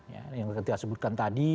ya yang kita sebutkan tadi